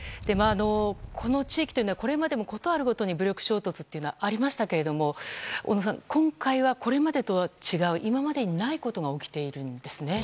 この地域は、これまでもことあるごとに武力衝突というのはありましたけれども小野さん、今回はこれまでとは違う今までにないことが起きているんですね。